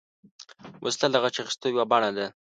وسله د غچ اخیستو یوه بڼه ده